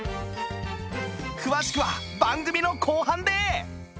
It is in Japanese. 詳しくは番組の後半で！